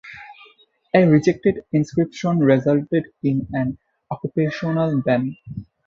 A rejected inscription resulted in an occupational ban.